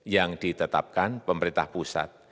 yang ditetapkan pemerintah pusat